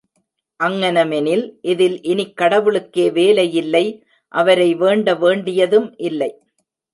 அங்ஙனமெனில், இதில் இனிக் கடவுளுக்கே வேலையில்லை அவரை வேண்ட வேண்டியதும் இல்லை.